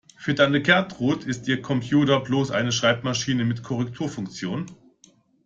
Für Tante Gertrud ist ihr Computer bloß eine Schreibmaschine mit Korrekturfunktion.